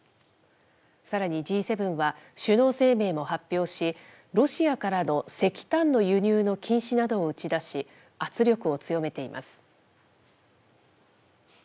さらに、Ｇ７は首脳声明も発表し、ロシアからの石炭の輸入の禁止などを打ち出し、圧力を強めています。